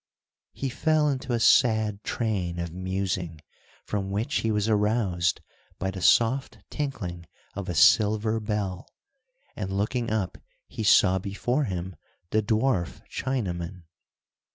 He fell into a sad train of musing, from which he was aroused by the soft tinkling of a silver bell, and looking up he saw before him the dwarf Chinaman.